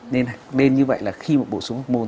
nên bên như vậy là khi một bộ súng học môn